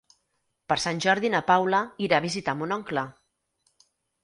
Per Sant Jordi na Paula irà a visitar mon oncle.